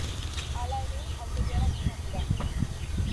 Hala ere, auto-ilarak izan dira.